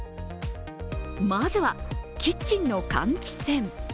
まずは、キッチンの換気扇。